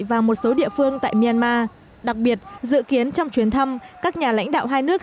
và một số địa phương tại myanmar đặc biệt dự kiến trong chuyến thăm các nhà lãnh đạo hai nước